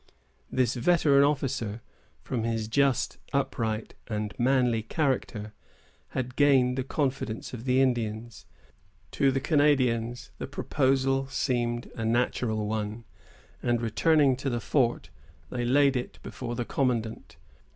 This veteran officer, from his just, upright, and manly character, had gained the confidence of the Indians. To the Canadians the proposal seemed a natural one, and returning to the fort, they laid it before the commandant.